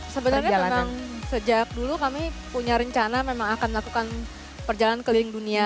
sebenarnya memang sejak dulu kami punya rencana memang akan melakukan perjalanan keliling dunia